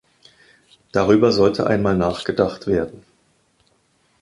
Darüber sollte einmal nachgedacht werden.